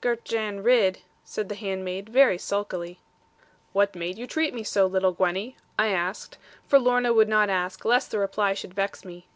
'Girt Jan Ridd,' said the handmaid, very sulkily. 'What made you treat me so, little Gwenny?' I asked, for Lorna would not ask lest the reply should vex me.